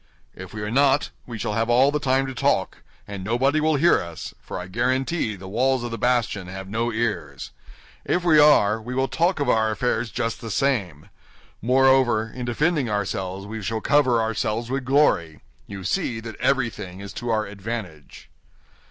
If we are not, we shall have all the time to talk, and nobody will hear us—for I guarantee the walls of the bastion have no ears; if we are, we will talk of our affairs just the same. Moreover, in defending ourselves, we shall cover ourselves with glory. You see that everything is to our advantage."